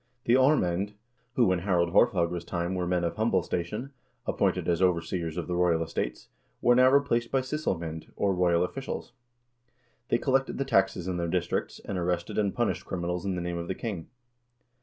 The aarmamd, who in Harald Haarfagre's time were men of humble station, appointed as overseers of the royal estates, were now replaced by sysselmoend, or royal officials. They collected the taxes in their districts, and arrested and punished criminals in the name of the king.